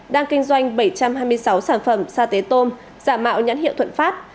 đang kinh doanh bảy trăm hai mươi sáu sản phẩm sa tế tôm giả mạo nhãn hiệu thuận phát